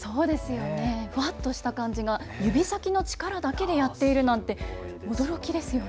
ふわっとした感じが、指先の力だけでやっているなんて驚きですよね。